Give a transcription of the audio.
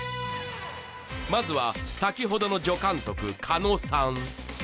まずは先ほどの助監督狩野さん